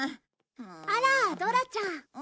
あらドラちゃん。